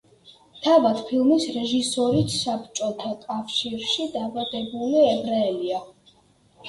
თავად ფილმის რეჟისორიც საბჭოთა კავშირში დაბადებული ებრაელია.